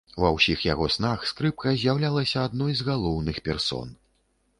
Ва ўсіх яго снах скрыпка з'яўлялася адной з галоўных персон.